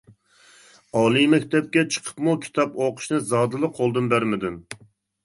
ئالىي مەكتەپكە چىقىپمۇ كىتاب ئوقۇشنى زادىلا قولدىن بەرمىدىم.